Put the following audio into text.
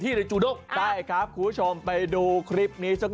นี่คือขอจังหวะสามช่าจากพี่รถสิบล้อนี่หรอคะ